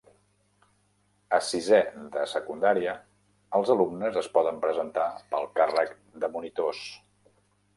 A sisè de secundaria, els alumnes es poden presentar pel càrrec de monitors.